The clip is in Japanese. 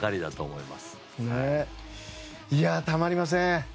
いやあ、たまりません。